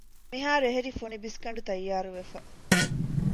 މިހާރު އެހެރީ ފޮނި ބިސްގަނޑު ތައްޔާރުވެފަ